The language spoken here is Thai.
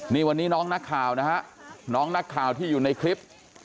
นี่วันนี้น้องนักข่าวนะฮะน้องนักข่าวที่อยู่ในคลิป